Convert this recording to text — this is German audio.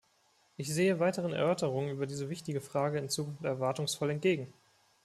Ich sehe weiteren Erörterungen über diese wichtige Frage in Zukunft erwartungsvoll entgegen.